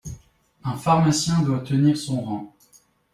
… un pharmacien doit tenir son rang …